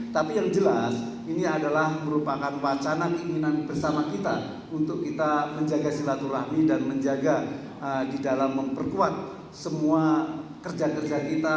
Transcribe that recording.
tapi yang jelas ini adalah merupakan wacana keinginan bersama kita untuk kita menjaga silaturahmi dan menjaga di dalam memperkuat semua kerja kerja kita